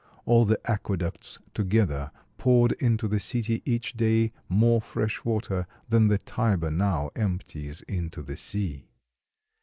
All the aqueducts together poured into the city each day more fresh water than the Tiber now empties into the sea.